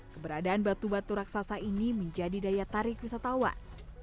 keberadaan batu batu raksasa ini menjadi daya tarik wisatawan